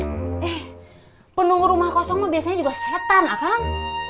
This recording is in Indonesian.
eh penunggu rumah kosong mah biasanya juga setan akang